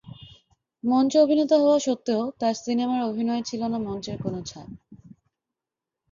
মঞ্চ অভিনেতা হওয়া সত্ত্বেও তার সিনেমার অভিনয়ে ছিল না মঞ্চের কোনো ছাপ।